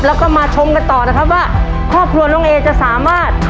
แล้วก็มาชมกันต่อนะครับว่าครอบครัวน้องเอจะสามารถ